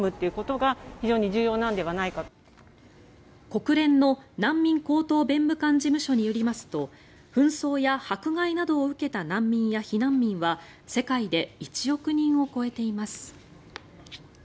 国連の難民高等弁務官事務所によりますと紛争や迫害などを受けた難民や避難民は世界で１億人を超えています。